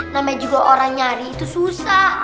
namanya juga orang nyari itu susah